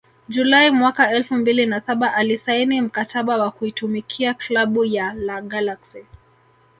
Julai mwaka elfu mbili na saba alisaini mkataba wa kuitumikia klabu ya La Galaxy